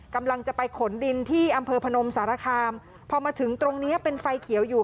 กำลังจะไปขนดินที่อำเภอพนมสารคามพอมาถึงตรงเนี้ยเป็นไฟเขียวอยู่